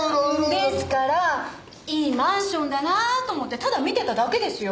ですからいいマンションだなあと思ってただ見てただけですよ。